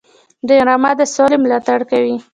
ډرامه د سولې ملاتړ کوي